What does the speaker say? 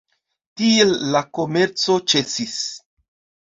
Tiel la komerco ĉesis.